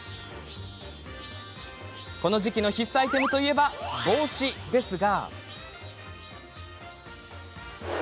この時期の必須アイテムといえば帽子ですが。